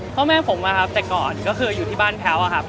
พ่อแม่ผมนะครับแต่ก่อนก็คืออยู่ที่บ้านแพ้วอะครับ